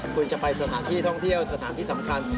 คุณจะไปสถานที่ท่องเที่ยวสถานที่สำคัญ